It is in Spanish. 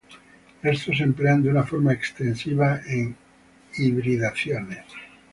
Estos se emplean de una forma extensiva en hibridaciones.